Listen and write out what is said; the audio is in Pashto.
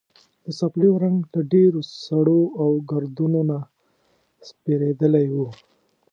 د څپلیو رنګ له ډېرو سړو او ګردونو نه سپېرېدلی و.